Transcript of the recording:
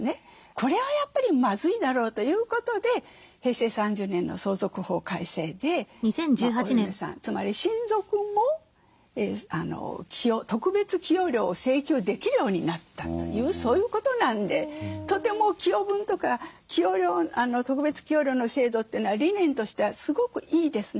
これはやっぱりまずいだろうということで平成３０年の相続法改正でお嫁さんつまり親族も特別寄与料を請求できるようになったというそういうことなんでとても寄与分とか特別寄与料の制度というのは理念としてはすごくいいですね。